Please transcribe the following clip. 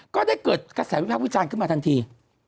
ก็ได้เกิดกระแสวิภาพวิจารณ์ขึ้นมาทันที